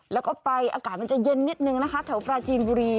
แล้วก็ไปอากาศมันจะเย็นนิดนึงนะคะแถวปราจีนบุรี